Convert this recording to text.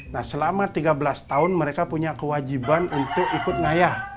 nah selama tiga belas tahun mereka punya kewajiban untuk ikut ngayah